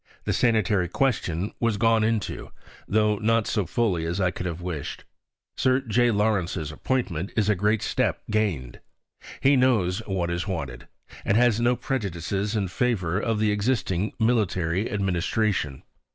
The sanitary question was gone into, tho' not so fully as I could have wished. Sir J. Lawrence's appointment is a great step gained. He knows what is wanted, and has no prejudices in favour of the existing military administration.